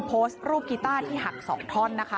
โพสต์รูปกีต้าที่หัก๒ท่อนนะคะ